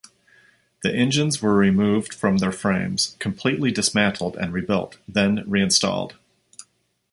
The engines were removed from their frames, completely dismantled and rebuilt, then reinstalled.